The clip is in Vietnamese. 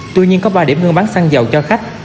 tuy nhiên có ba điểm buôn bán xăng dầu cho khách